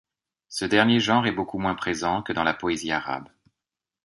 Ce dernier genre est beaucoup moins présent que dans la poésie arabe.